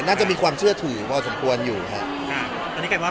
น่าจะมีความเชื่อถือพอสมควรอยู่ค่ะค่ะอันนี้ก็คือว่า